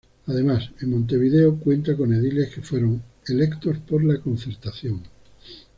Además en Montevideo cuenta con ediles que fueron electos por la Concertación.